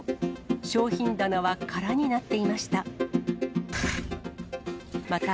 商品棚は空になっていました。